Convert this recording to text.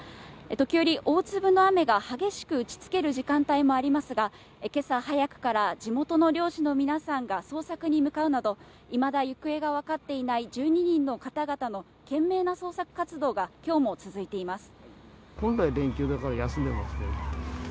時折、大粒の雨が激しく打ち付ける時間帯もありますが、今朝早くから地元の漁師の皆さんが捜索に向かうなど、いまだ行方がわかっていない１２人の方々の懸命な捜索活動が今日も続いています。